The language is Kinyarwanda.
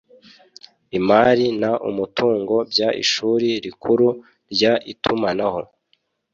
imari n umutungo by Ishuri Rikuru ry Itumanaho